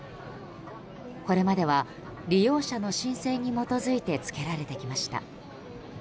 これまでは利用者の申請に基づいてつけられてきました。